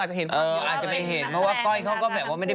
อาจจะไม่เห็น